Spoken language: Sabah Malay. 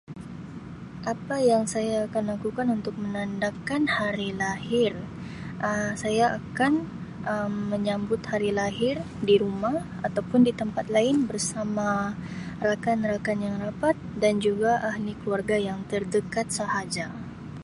Apa yang saya akan lakukan untuk menandakan hari lahir Um saya akan Um menyambut hari lahir di rumah atau pun di tempat lain bersama rakan-rakan yang rapat dan juga ahli keluarga yang terdekat sahaja.